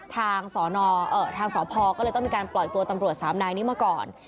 ทางสนเอ่อทางสพก็เลยต้องมีการปล่อยตัวตำรวจสามนายนี้มาก่อน